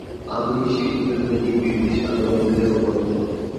আমিষ শিশুদের দৈহিক বৃদ্ধি সাধন ও দেহ গঠন করে।